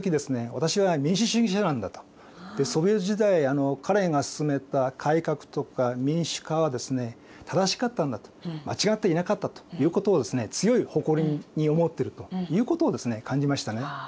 私は民主主義者なんだとソビエト時代彼が進めた改革とか民主化は正しかったんだと間違っていなかったということをですね強い誇りに思ってるということをですね感じましたね。